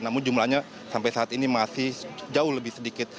namun jumlahnya sampai saat ini masih jauh lebih sedikit